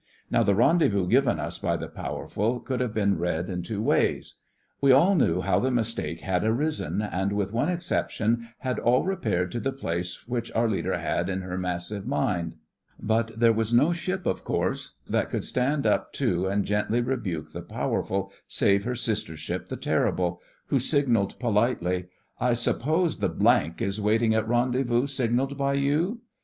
Now the rendezvous given us by the Powerful could have been read in two ways. We all knew how the mistake had arisen, and, with one exception, had all repaired to the place which our leader had in her massive mind. But there was no ship, of course, that could stand up to and gently rebuke the Powerful save her sister ship the Terrible, who signalled politely: 'I suppose the —— is waiting at rendezvous signalled by you?